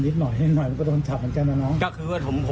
นี่ค่ะไม่กลัวความผิดไม่กลัวถูกดำเนินคดีด้วยคุณผู้ชมค่ะ